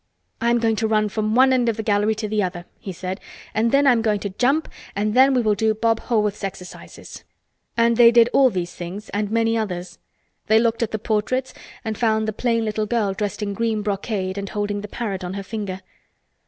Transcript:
"I am going to run from one end of the gallery to the other," he said, "and then I am going to jump and then we will do Bob Haworth's exercises." And they did all these things and many others. They looked at the portraits and found the plain little girl dressed in green brocade and holding the parrot on her finger.